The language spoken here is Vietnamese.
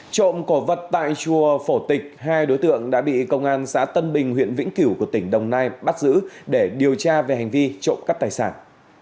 trộm cổ vật tại chùa phổ tịch hai đối tượng đã bị công an xã tân bình huyện vĩnh cửu của tỉnh đồng nai bắt giữ để điều tra về hành vi trộm cắp tài sản